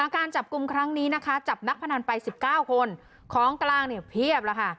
การจับกลุ่มครั้งนี้นะคะจับนักพนันไป๑๙คนของกลางเนี่ยเพียบแล้วค่ะ